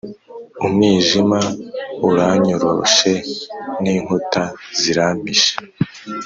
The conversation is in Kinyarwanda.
Umwijima uranyoroshe, n’inkuta zirampishe,